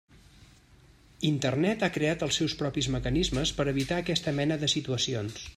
Internet ha creat els seus propis mecanismes per evitar aquesta mena de situacions.